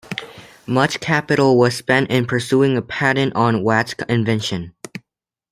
Much capital was spent in pursuing a patent on Watt's invention.